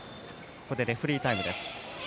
ここでレフェリータイム。